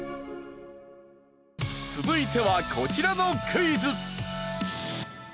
続いてはこちらのクイズ。